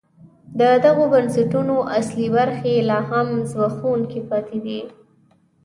د دغو بنسټونو اصلي برخې لا هم زبېښونکي پاتې دي.